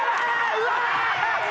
うわ！